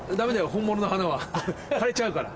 本物の花は枯れちゃうから。